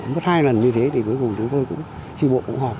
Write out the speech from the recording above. một hai lần như thế thì cuối cùng trì bộ cũng họp